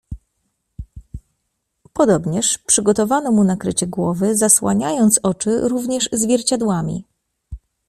"Podobnież przygotowano mu nakrycie głowy, zasłaniając oczy również zwierciadłami."